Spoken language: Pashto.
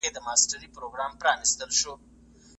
رسول الله د لږکيو د حقوقو ساتنه کوله.